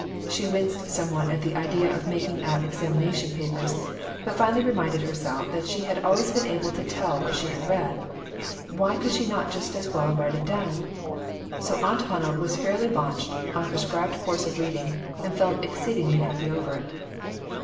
She winced somewhat at the idea of making out examina tion papers, but finally reminded herself that she had always been able to tell what she had read. Why could she not just as well write it down? So Aunt Hannah was fairly launched on a pre scribed course of reading, and felt exceedingly happy over it.